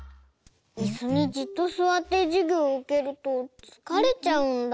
いすにじっとすわってじゅぎょうをうけるとつかれちゃうんだ。